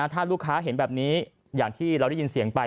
ถ้าลูกค้าเห็นแบบนี้อย่างที่เราได้ยินเสียงไป